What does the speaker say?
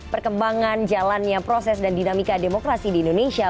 perkembangan jalannya proses dan dinamika demokrasi di indonesia